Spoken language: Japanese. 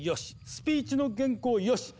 スピーチの原稿ヨシ！